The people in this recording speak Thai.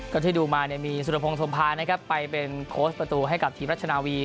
ก็ที่ดูมาเนี่ยมีสุรพงศ์ธมภานะครับไปเป็นโค้ชประตูให้กับทีมรัชนาวี